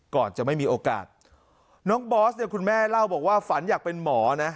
ก่อนจะไม่มีโอกาสน้องบอสเนี่ยคุณแม่เล่าบอกว่าฝันอยากเป็นหมอนะ